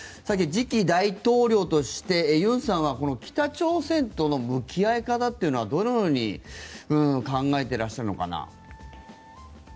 次期大統領として尹さんはこの北朝鮮との向き合い方というのはどのように考えていらっしゃるのかな。